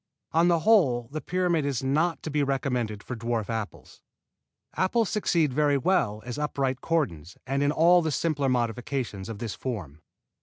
On the whole the pyramid is not to be recommended for dwarf apples. Apples succeed very well as upright cordons and in all the simpler modifications of this form.